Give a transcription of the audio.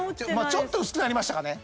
ちょっと薄くなりましたかね